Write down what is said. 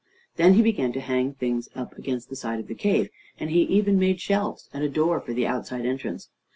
Then he began to hang things up against the side of the cave, and he even made shelves, and a door for the outside entrance.